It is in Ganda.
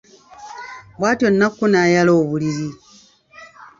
Bw'atyo Nakku n'ayala obuliri.